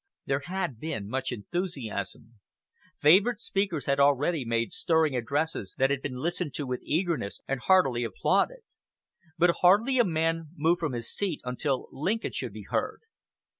There had been much enthusiasm. Favorite speakers had already made stirring addresses that had been listened to with eagerness and heartily applauded; but hardly a man moved from his seat until Lincoln should be heard.